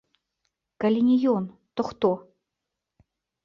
Калі не ён, то хто?